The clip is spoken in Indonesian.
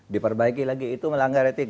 diperbaiki lagi itu melanggar etik